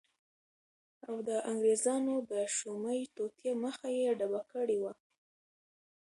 او د انګریزانو د شومی توطیه مخه یی ډبه کړی وه